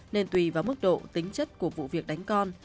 nên tùy vào mức độ tính chất của vụ việc đánh con